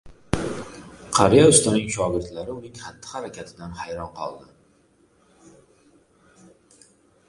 Qariya ustaning shogirdlari uning xatti-harakatidan hayron qoldi.